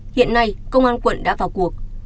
hiện nay công an quận đã vào cuộc